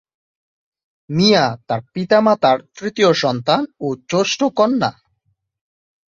মিয়া তার পিতামাতার তৃতীয় সন্তান ও জ্যেষ্ঠ কন্যা।